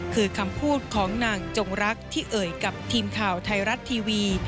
คือคำพูดของนางจงรักที่เอ่ยกับทีมข่าวไทยรัฐทีวี